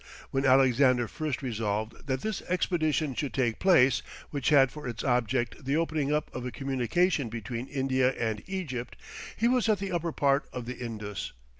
When Alexander first resolved that this expedition should take place, which had for its object the opening up of a communication between India and Egypt, he was at the upper part of the Indus.